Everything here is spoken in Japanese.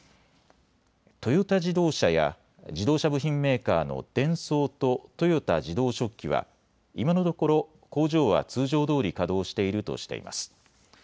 トヨタ自動車やや自動車部品メーカーのデンソーと豊田自動織機は今のところ工場は通常どおり稼働しているとしています。